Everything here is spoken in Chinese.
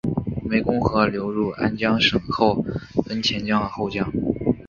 湄公河流入安江省后分前江与后江。